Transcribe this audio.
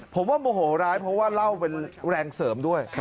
ผมว่าโมโหร้ายเพราะว่าเล่าเป็นแรงเสริมด้วย